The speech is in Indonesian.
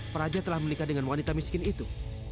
praja telah menikah dengan wanita miskin itu